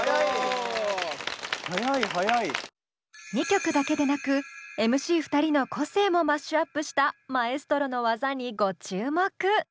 ２曲だけでなくＭＣ２人の個性もマッシュアップしたマエストロの技にご注目！